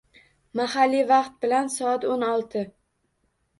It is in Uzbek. Mahalliy vaqt bilan soat o‘n olti.